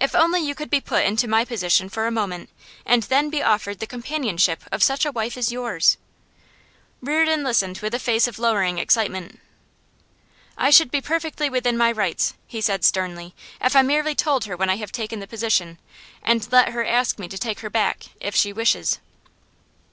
If only you could be put into my position for a moment, and then be offered the companionship of such a wife as yours!' Reardon listened with a face of lowering excitement. 'I should be perfectly within my rights,' he said sternly, 'if I merely told her when I have taken the position, and let her ask me to take her back if she wishes.